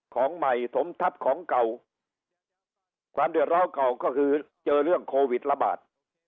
ของใหม่สมทัพของเก่าความเดือดร้อนเก่าก็คือเจอเรื่องโควิดระบาด